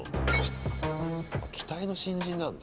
期待の新人なんだ。